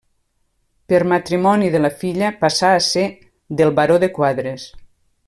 Per matrimoni de la filla passà a ser del Baró de Quadres.